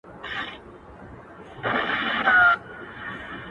نه بدل شومه، نه تا منگولې راکړې